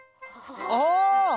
ああ！